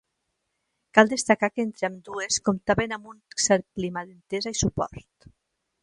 Cal destacar que entre ambdues comptaven amb un cert clima d’entesa i suport.